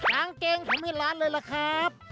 อางเกงทำให้ร้านเลยล่ะครับ